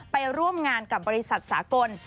ไปร่วมงานกับบริษัทสากล